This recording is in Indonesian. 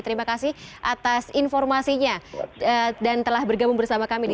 terima kasih atas informasinya dan telah bergabung bersama kami di cnn indonesia newscast pada hari kedua